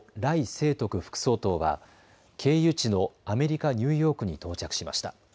清徳副総統は経由地のアメリカ・ニューヨークに到着しました。